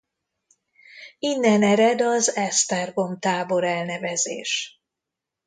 Innen ered az Esztergom-Tábor elnevezés.